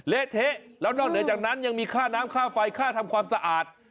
เละเทะแล้วนอกเหนือจากนั้นยังมีค่าน้ำค่าไฟค่าทำความสะอาด